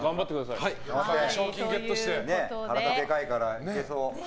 体でかいから、いけそう。